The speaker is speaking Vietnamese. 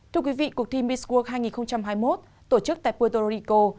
thưa quý vị cuộc thi miss world hai nghìn hai mươi một tổ chức tại puerto rico